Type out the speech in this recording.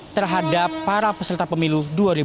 terhadap para peserta pemilu dua ribu dua puluh